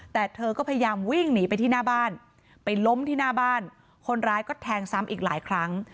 แต่เธอก็พยายามวิ่งหนีไปที่หน้าบ้านไปล้มที่หน้าบ้านคนร้ายก็แทงซ้ำอีกหลายครั้ง